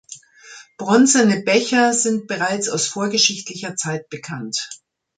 Bronzene Becher sind bereits aus vorgeschichtlicher Zeit bekannt.